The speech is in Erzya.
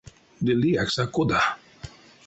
Ды лиякс а кода.